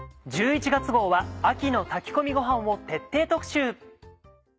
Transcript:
１１月号は「秋の炊き込みごはん」を徹底特集。